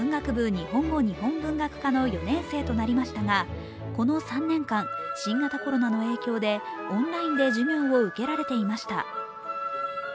日本語日本文学科の４年生となりましたがこの３年間、新型コロナの影響でオンラインで授業を受けられていました。